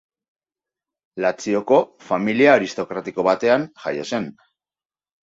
Lazioko familia aristokratiko batean jaio zen.